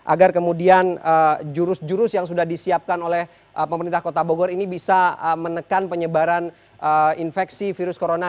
agar kemudian jurus jurus yang sudah disiapkan oleh pemerintah kota bogor ini bisa menekan penyebaran infeksi virus corona